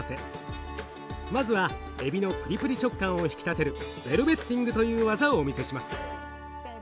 まずはエビのプリプリ食感を引き立てるベルベッティングという技をお見せします。